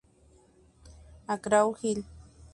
McGraw Hill.